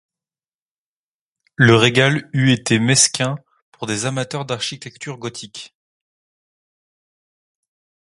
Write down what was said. Le régal eût été mesquin pour des amateurs d'architecture gothique.